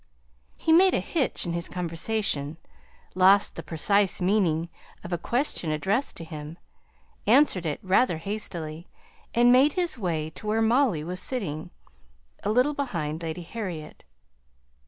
He made a hitch in his conversation, lost the precise meaning of a question addressed to him, answered it rather hastily, and made his way to where Molly was sitting, a little behind Lady Harriet.